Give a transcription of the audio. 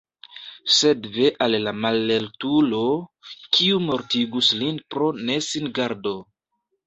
Sed ve al la mallertulo, kiu mortigus lin pro nesingardo!